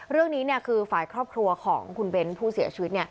เรื่องนี้คือฝ่ายครอบครัวของคุณเบ้นผู้เสียชีวิต